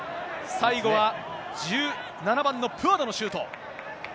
最後は１７番のプアドのシュート。